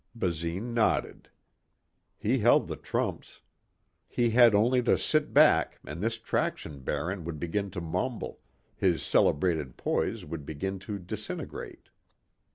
Basine nodded. He held the trumps. He had only to sit back and this traction baron would begin to mumble, his celebrated poise would begin to disintegrate.